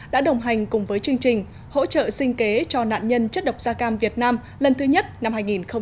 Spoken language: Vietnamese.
đã đồng hành cùng với chương trình hỗ trợ sinh kế cho nạn nhân chất độc da cam việt nam lần thứ nhất năm hai nghìn một mươi chín